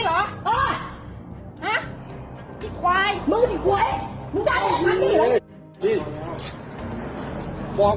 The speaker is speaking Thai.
อาหารที่สุดท้าย